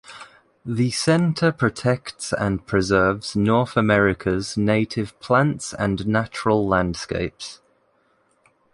The center protects and preserves North America's native plants and natural landscapes.